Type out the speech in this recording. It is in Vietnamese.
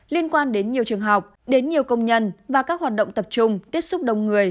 liên quan đến nhiều trường học đến nhiều công nhân và các hoạt động tập trung tiếp xúc đông người